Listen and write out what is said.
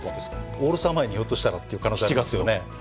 オールスター前にひょっとしたらという可能性もありますよね。